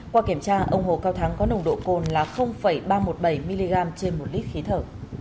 qua kiểm tra ông hồ cao thắng có nồng độ cồn là ba trăm một mươi bảy mg trên một lít khí thở